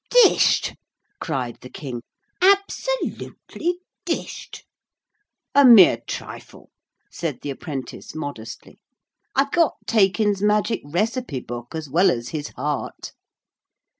'Dished,' cried the King, 'absolutely dished!' 'A mere trifle,' said the apprentice modestly. 'I've got Taykin's magic recipe book, as well as his heart.'